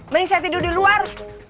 beli saya tidur di luar